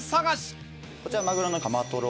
こちらマグロのカマトロ。